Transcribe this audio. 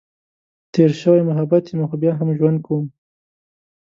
تېر شوی محبت یمه، خو بیا هم ژوند کؤم.